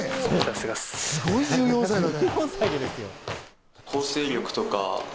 すごい１４歳だね。